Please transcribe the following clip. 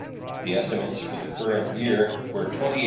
The estimates for the current year were $28,205,671.